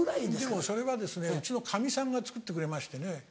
でもそれはうちのカミさんが作ってくれましてね。